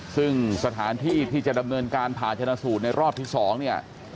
ซึ่งสถานที่ที่จะดำเนินการผ่าชนะสูตรในรอบที่๒เนี่ย